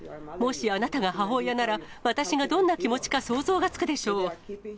もしあなたが母親なら、私がどんな気持ちか、想像がつくでしょう。